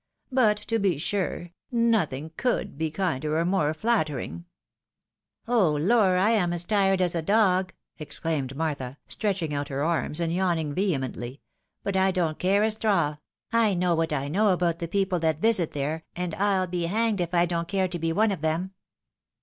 " But to be sure, nothing could be kinder or more flattering !"" Oh, lor ! I am as tired as a dog," exclaimed Martha, stretching out her arms, and yawning vehemently ;" but I don't care a straw — I know what I know about the people that visit there, and I'U be hanged if I don't take care to be one of them."